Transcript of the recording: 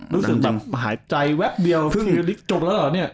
รู้สึกแบบหายใจแว๊บเดียวจบแล้วหรอเนี่ย